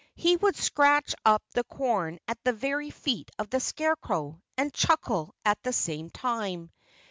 He would scratch up the corn at the very feet of a scarecrow and chuckle at the same time.